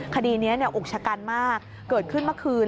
คดีนี้อุกชะกันมากเกิดขึ้นเมื่อคืน